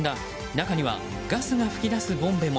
中には、ガスが噴き出すボンベも。